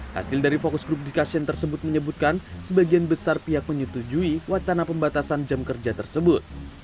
hasil dari fokus grup diskusi tersebut menyebutkan sebagian besar pihak menyetujui wacana pembatasan jam kerja tersebut